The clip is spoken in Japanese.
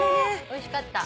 おいしかった。